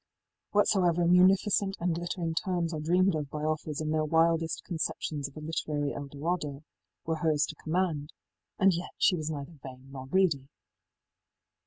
Whatsoever munificent and glittering terms are dreamed of by authors in their wildest conceptions of a literary El Dorado were hers to command; and yet she was neither vain nor greedy.